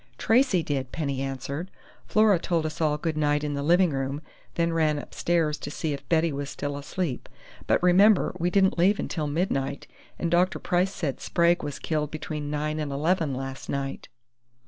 "Tracey did," Penny answered. "Flora told us all good night in the living room, then ran upstairs to see if Betty was still asleep.... But remember we didn't leave until midnight, and Dr. Price says Sprague was killed between nine and eleven last night."